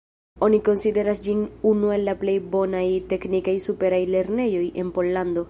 Oni konsideras ĝin unu el la plej bonaj teknikaj superaj lernejoj en Pollando.